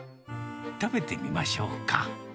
食べてみましょうか。